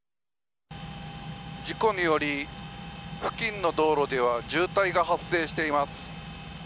事故により、付近の道路では渋滞が発生しています。